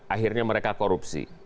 akhirnya mereka korupsi